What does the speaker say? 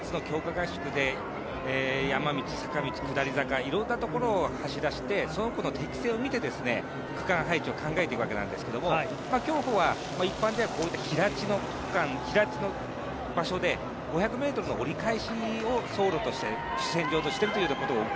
合宿で山道、坂道、下り坂、いろんなところを走らせてその子の特性を見て区間配置を考えていくわけですが、競歩は一般的に平地の場所で５００ｍの折り返しを走路として主戦場としていると。